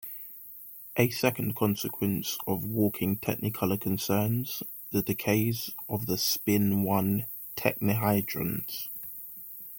A second consequence of walking technicolor concerns the decays of the spin-one technihadrons.